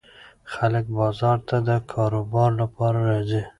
خلک بازار ته د کاروبار لپاره راځي.